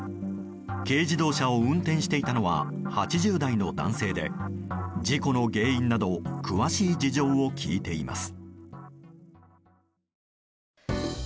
軽自動車を運転していたのは８０代の男性で事故の原因など詳しい事情を聴いています。